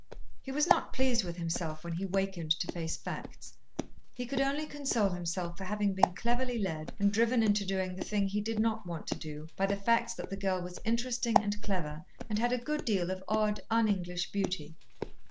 He was not pleased with himself when he wakened to face facts. He could only console himself for having been cleverly led and driven into doing the thing he did not want to do, by the facts that the girl was interesting and clever and had a good deal of odd un English beauty.